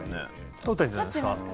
取ってるんじゃないですか。